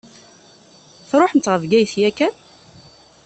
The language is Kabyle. Tṛuḥemt ɣer Bgayet yakan?